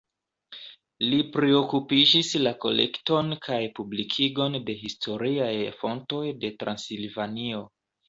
Li priokupiĝis la kolekton kaj publikigon de historiaj fontoj de Transilvanio.